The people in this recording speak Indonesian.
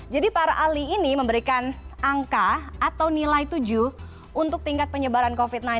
jadi para ahli ini memberikan angka atau nilai tujuh untuk tingkat penyebaran covid sembilan belas